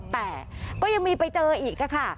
แต่ก็ยังมีไปเจออีกค่ะ